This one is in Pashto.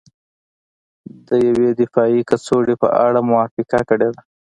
د یوې دفاعي کڅوړې په اړه موافقه کړې ده